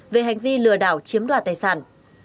về hành vi lừa đảo chiếm đoạt tài sản